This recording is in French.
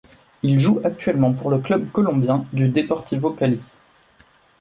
Il joue actuellement pour le club colombien du Deportivo Cali.